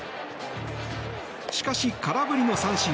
しかし、空振りの三振。